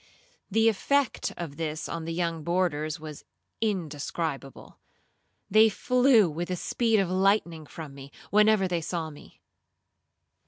The effect of this on the young boarders was indescribable. They flew with the speed of lightning from me, whenever they saw me.